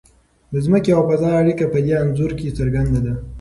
د ځمکې او فضا اړیکه په دې انځور کې څرګنده ده.